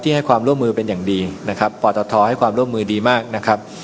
ให้ความร่วมมือเป็นอย่างดีนะครับปตทให้ความร่วมมือดีมากนะครับ